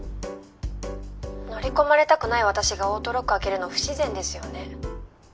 乗り込まれたくない私がオートロック開けるの不自然ですよね。